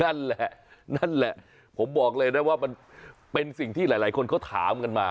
นั่นแหละนั่นแหละผมบอกเลยนะว่ามันเป็นสิ่งที่หลายคนเขาถามกันมา